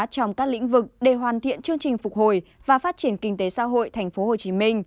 trong các lĩnh vực để hoàn thiện chương trình phục hồi và phát triển kinh tế xã hội tp hcm